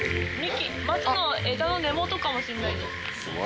マツの枝の根元かもしれないです。